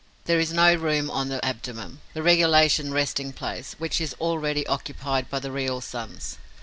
There is no room on the abdomen, the regulation resting place, which is already occupied by the real sons.